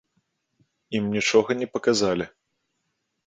Ім нічога не паказалі.